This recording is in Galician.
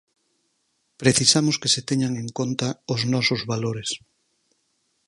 Precisamos que se teñan en conta os nosos valores.